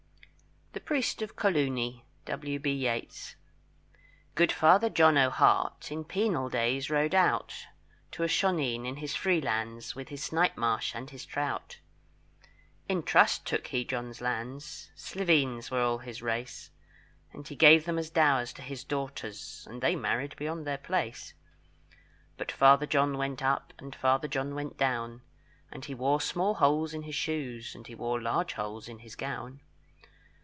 _] THE PRIEST OF COLOONY. W. B. YEATS. Good Father John O'Hart In penal days rode out To a shoneen in his freelands, With his snipe marsh and his trout. In trust took he John's lands, Sleiveens were all his race And he gave them as dowers to his daughters, And they married beyond their place. But Father John went up, And Father John went down; And he wore small holes in his shoes, And he wore large holes in his gown.